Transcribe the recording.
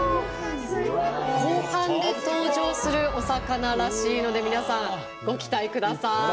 後半で登場するお魚らしいので皆さん、ご期待ください。